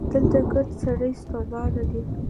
دلته ګړد ستړي ستومانه دي